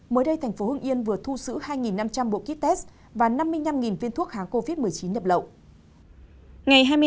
mới đây tp hương yên vừa thu xứ hai năm trăm linh bộ kit test và năm mươi năm viên thuốc kháng covid một mươi chín nhập lậu